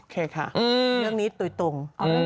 เรื่องนี้ตุ๋ยตุ่ง